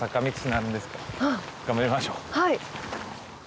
はい。